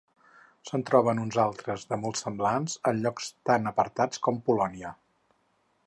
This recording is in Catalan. Se'n troben uns altres de molt semblants en llocs tan apartats com Polònia.